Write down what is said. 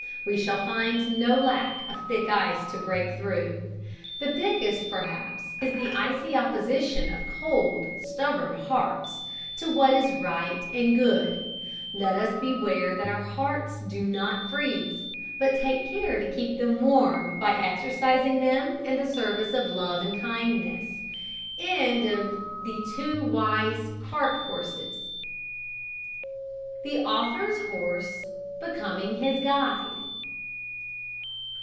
We shall find no lack of thick ice to break through. The thickest, perhaps, is the icy opposition of cold, stubborn hearts to what is right and good. Let us beware that our hearts do not freeze, but take care to keep them warm by exercising them in the service of love and kindness. THE AUTHOR'S HORSE BECOMING HIS GUIDE.